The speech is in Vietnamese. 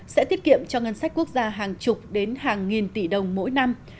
sẽ tiết kiệm cho ngân sách quốc gia hàng chục đến hàng nghìn tỷ đồng mỗi năm